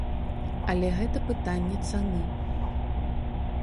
Але гэта пытанне цаны.